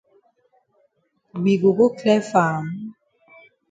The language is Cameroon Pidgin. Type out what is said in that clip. We go go clear farm?